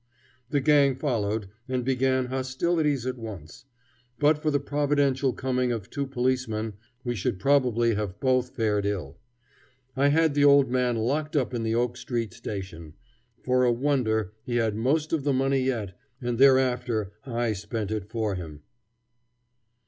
The gang followed, and began hostilities at once. But for the providential coming of two policemen, we should probably have both fared ill. I had the old man locked up in the Oak Street Station. For a wonder, he had most of the money yet, and thereafter I spent it for him.